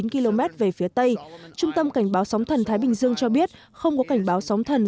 một mươi km về phía tây trung tâm cảnh báo sóng thần thái bình dương cho biết không có cảnh báo sóng thần